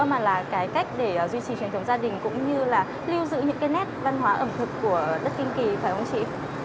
mà là cái cách để duy trì truyền thống gia đình cũng như là lưu giữ những cái nét văn hóa ẩm thực của đất kinh kỳ phải không chị